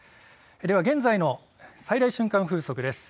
では現在の最大瞬間風速です。